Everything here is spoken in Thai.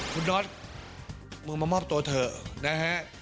คุณน็อตมึงมามอบตัวเถอะนะฮะ